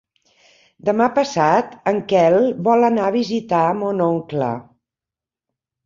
Demà passat en Quel vol anar a visitar mon oncle.